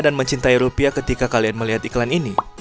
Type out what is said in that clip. dan mencintai rupiah ketika kalian melihat iklan ini